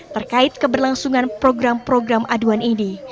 terkait keberlangsungan program program aduan ini